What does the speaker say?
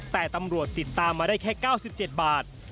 แต่ตำรวจติดตามมาได้แค่๙๗บาท